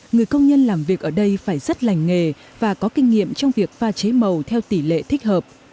người công nhân làm việc ở đây phải rất lành nghề và có kinh nghiệm trong việc pha chế màu theo tỷ lệ thích hợp